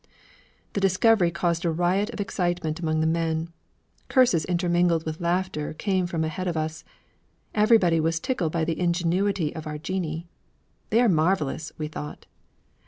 The discovery created a riot of excitement among the men. Curses intermingled with laughter came from ahead of us. Everybody was tickled by the ingenuity of our génie. 'They are marvelous!' we thought.